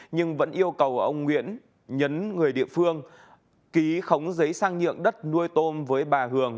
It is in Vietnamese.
nhưng vẫn yêu cầu ông nguyễn nhấn người địa phương ký khống giấy sang nhượng đất nuôi tôm với bà hường